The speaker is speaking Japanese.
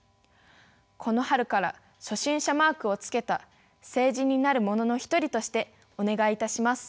この春から初心者マークを付けた成人になる者の一人としてお願いいたします。